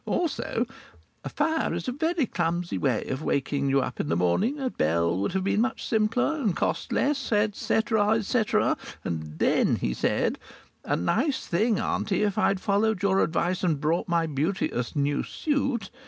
Also: "A fire is a very clumsy way of waking you up in the morning. A bell would be much simpler, and cost less," etcetera, etcetera. And then he said: "A nice thing, auntie, if I'd followed your advice and brought my beauteous new suit!